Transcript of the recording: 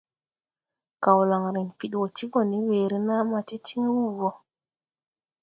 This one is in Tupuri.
Gawlaŋre fiɗwɔɔ ti gɔ ne weere naa ma ti tiŋ wuu wɔ.